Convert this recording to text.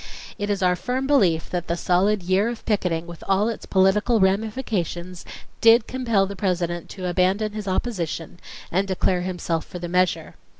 It is our firm belief that the solid year of picketing, with all its political ramifications, did compel the President to abandon his opposition and declare himself for the measure.